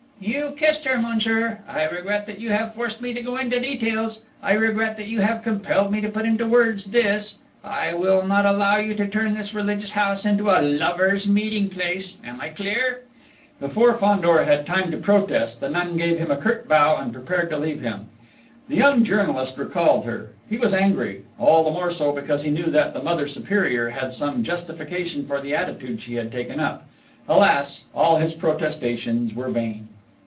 "You kissed her, monsieur. I regret that you have forced me to go into details. I regret that you have compelled me to put into words this I will not allow you to turn this religious house into a lover's meeting place! Am I clear?" Before Fandor had time to protest, the nun gave him a curt bow, and prepared to leave him. The young journalist recalled her. He was angry; all the more so, because he knew that the Mother Superior had some justification for the attitude she had taken up. Alas! All his protestations were vain!